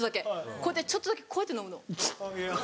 こうやってちょっとだけこうやって飲むの。